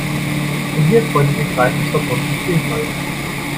Probierfreudige greifen zur bunten Vielfalt.